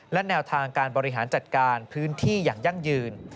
และแนวทางการบริหารจัดการพื้นที่อย่างยั่งยืน